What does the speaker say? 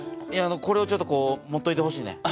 これをちょっと持っといてほしいねん。